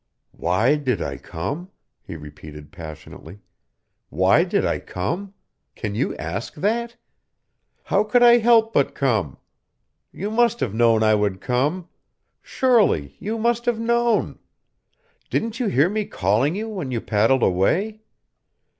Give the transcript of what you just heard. "Why did I come?" he repeated, passionately. "Why did I come? Can you ask that? How could I help but come? You must have known I would come. Surely you must have known! Didn't you hear me calling you when you paddled away?